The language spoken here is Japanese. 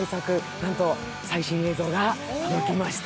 なんと、最新映像が届きました。